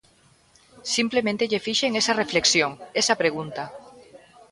Simplemente lle fixen esa reflexión, esa pregunta.